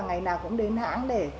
ngày nào cũng đến hãng